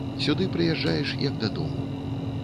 Сюды прыязджаеш як дадому.